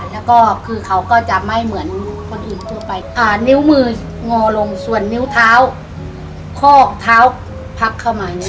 แล้วก็คือเขาก็จะไม่เหมือนคนอื่นทั่วไปนิ้วมืองอลงส่วนนิ้วเท้าข้อเท้าพับเข้ามาอย่างนี้